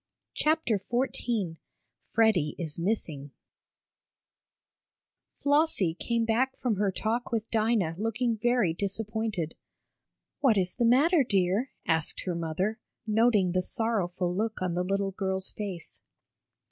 CHAPTER XIV FREDDIE IS MISSING Flossie came back from her talk with Dinah, looking very disappointed. "What is the matter, dear?" asked her mother, noting the sorrowful look on the little girl's face.